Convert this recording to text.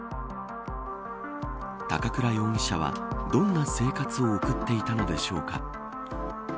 高倉容疑者は、どんな生活を送っていたのでしょうか。